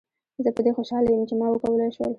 زه په دې خوشحاله یم چې ما وکولای شول.